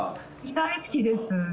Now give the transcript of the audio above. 大好きです。